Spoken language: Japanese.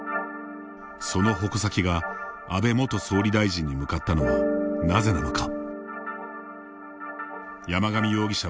その矛先が安倍元総理大臣に向かったのはなぜなのか。